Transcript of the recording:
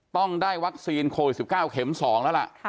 ต้องได้วัคซีนโคลสิบเก้าเข็มสองแล้วล่ะค่ะ